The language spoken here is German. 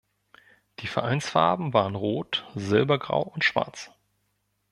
Die Vereinsfarben waren rot, silbergrau und schwarz.